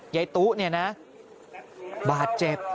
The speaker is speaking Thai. ยายตุ๊เนี่ยนะบาดเจ็บ